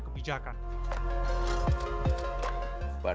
ini adalah pengambilan kebijakan